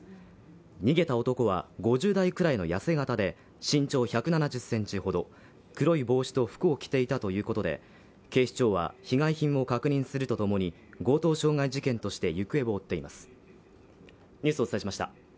逃げた男は５０代くらいの痩せ形で、身長１７０ｃｍほど黒い帽子と服を着ていたということで警視庁は被害品も確認するとともに強盗傷害事件として行方を追っています。